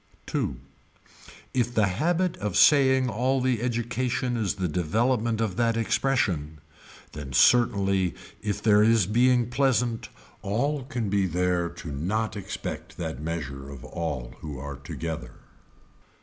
Two. If the habit of saying all the education is the development of that expression then certainly if there is being pleasant all can be there to not expect that measure of all who are together.